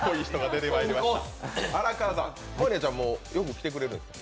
真莉愛ちゃんはよく来てくれるんですか？